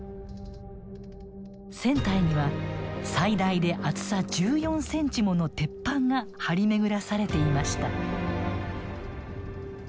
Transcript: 船体には最大で厚さ１４センチもの鉄板が張り巡らされていました。